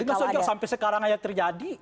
kita sudah sampai sekarang aja terjadi